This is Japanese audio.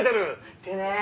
ってね。